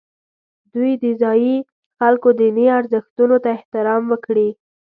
دوی د ځایي خلکو دیني ارزښتونو ته احترام وکړي.